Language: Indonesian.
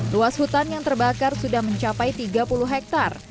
luas hutan yang terbakar sudah mencapai tiga puluh hektare